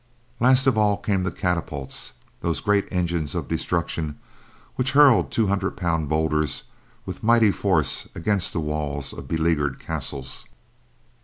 Last of all came the catapults, those great engines of destruction which hurled two hundred pound boulders with mighty force against the walls of beleaguered castles.